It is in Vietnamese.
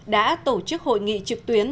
đã tổ chức hội nghị trực tuyến